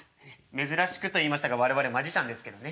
珍しくと言いましたが我々マジシャンですけどね。